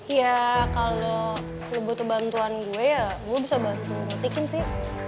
iya kalau lo butuh bantuan gue ya gue bisa bantu nyutikin sih